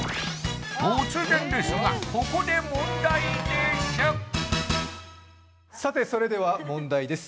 突然ですがさてそれでは問題です